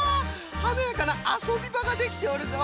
はなやかなあそびばができておるぞ。